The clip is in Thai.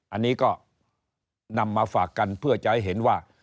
อันนี้ก็นำมาฝากกันเพื่อจะให้เห็นว่า